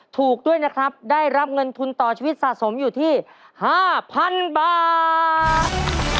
ถูกด้วยนะครับได้รับเงินทุนต่อชีวิตสะสมอยู่ที่๕๐๐๐บาท